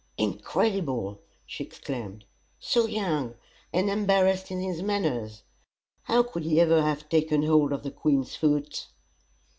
"Incredible!" she exclaimed. "So young, and embarrassed in his manners; how could he ever have taken hold of the Queen's foot?"